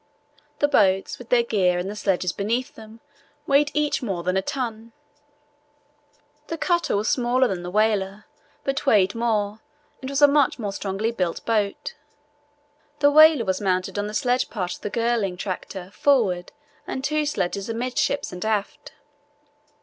The boats, with their gear and the sledges beneath them, weighed each more than a ton. The cutter was smaller than the whaler, but weighed more and was a much more strongly built boat. The whaler was mounted on the sledge part of the Girling tractor forward and two sledges amidships and aft.